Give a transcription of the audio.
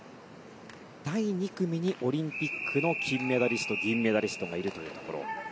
第２組にオリンピックの金メダリスト、銀メダリストがいるというところ。